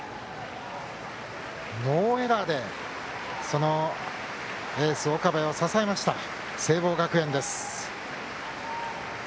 ノーエラーでエース、岡部を支えました聖望学園です。